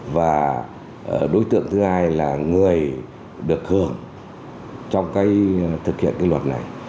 và đối tượng thứ hai là người được hưởng trong thực hiện luật này